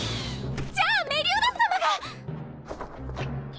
じゃあメリオダス様が！